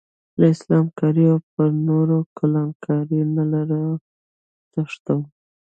له اسلام کارۍ او پر نورو کلان کارۍ نه لرې تښتم.